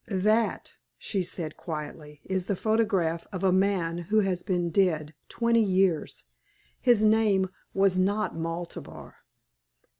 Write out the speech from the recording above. "That," she said, quietly, "is the photograph of a man who has been dead twenty years. His name was not Maltabar."